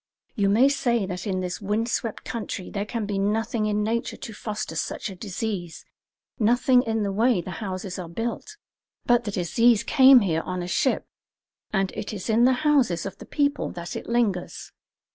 You may say that in this wind swept country there can be nothing in nature to foster such a disease, nothing in the way the houses are built; but the disease came here on a ship, and it is in the houses of the people that it lingers.